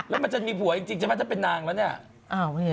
แล้วมันจะมีผัวจริงมันจะเป็นนางแล้วเนี่ย